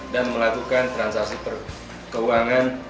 dan melakukan transaksi keuangan